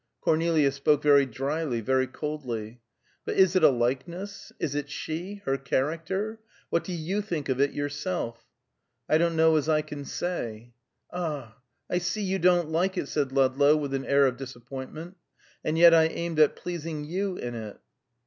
Cornelia spoke very dryly, very coldly. "But is it a likeness? Is it she? Her character? What do you think of it yourself?" "I don't know as I can say " "Ah, I see you don't like it!" said Ludlow, with an air of disappointment. "And yet I aimed at pleasing you in it."